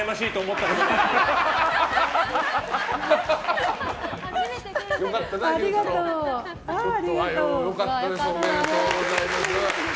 おめでとうございます。